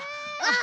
あ！